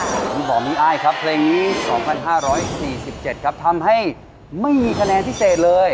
คุณหมอมีอ้ายครับเพลงนี้๒๕๔๗ครับทำให้ไม่มีคะแนนพิเศษเลย